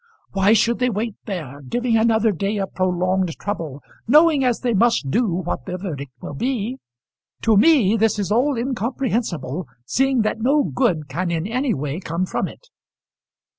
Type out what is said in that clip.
Why should they wait there, giving another day of prolonged trouble, knowing as they must do what their verdict will be? To me all this is incomprehensible, seeing that no good can in any way come from it."